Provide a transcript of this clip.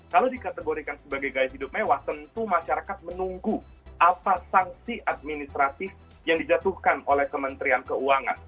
kalau dikategorikan sebagai gaya hidup mewah tentu masyarakat menunggu apa sanksi administratif yang dijatuhkan oleh kementerian keuangan